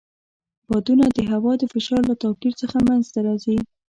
بادونه د هوا د فشار له توپیر څخه منځته راځي.